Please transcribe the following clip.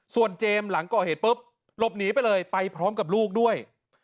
ส่วนเจมส์หลังก่อเหตุปุ๊บหลบหนีไปเลยไปพร้อมกับลูกด้วย